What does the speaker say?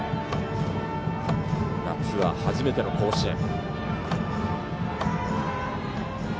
夏は初めての甲子園。